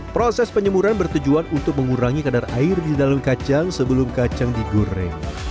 proses penyemuran bertujuan untuk mengurangi kadar air di dalam kacang sebelum kacang digoreng